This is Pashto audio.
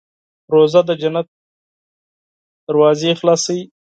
روژه د جنت دروازې خلاصوي.